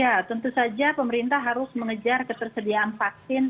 ya tentu saja pemerintah harus mengejar ketersediaan vaksin